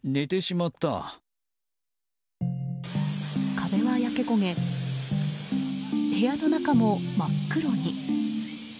壁は焼け焦げ部屋の中も真っ黒に。